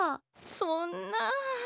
そんな。